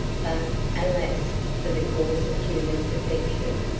But, alas for the cause of human perfection!